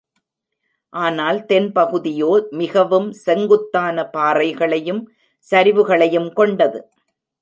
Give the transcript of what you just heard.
ஆனால் தென்பகுதியோ மிகவும் செங்குத்தான பாறைகளையும் சரிவுகளையும் கொண்டது.